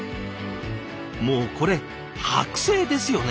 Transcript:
もうこれ剥製ですよね。